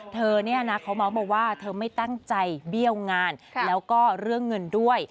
เธอเนี่ยนะเขาเมาส์มาว่าเธอไม่ตั้งใจเบี้ยวงานแล้วก็เรื่องเงินด้วย